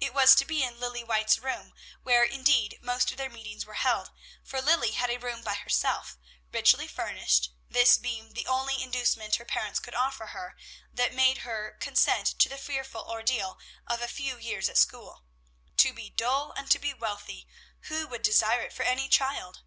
It was to be in Lilly White's room, where, indeed, most of their meetings were held, for Lilly had a room by herself, richly furnished, this being the only inducement her parents could offer her, that made her consent to the fearful ordeal of a few years at school, to be dull and to be wealthy! Who would desire it for any child?